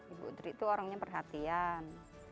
ibu dri itu orangnya perhatian